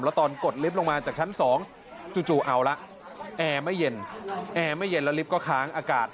แล้วท่อนกดลิฟต์มาจากชั้น๒จู่แอร์ไม่เย็นแล้วลิฟต์ก็ค้างอากาศ